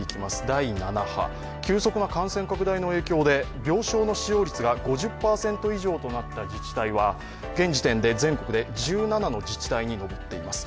第７波、急速な感染拡大の影響で病床の使用率が５０％以上となった自治体は現時点で全国で１７の自治体に上っています。